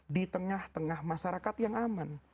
di tengah tengah masyarakat yang aman